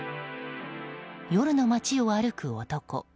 夜の街を歩く男。